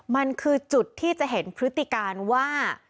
มันคือจุดที่จะเห็นพฤติการว่า